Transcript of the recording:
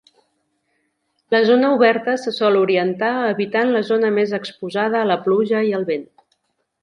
La zona oberta se sol orientar evitant la zona més exposada a la pluja i al vent.